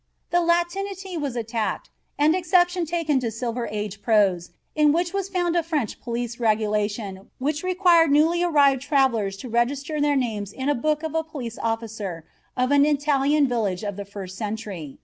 The Latinity was attacked and exception taken to Silver Age prose in which was found a French police regulation which required newly arrived travellers to register their names in the book of a police officer of an Italian village of the first century.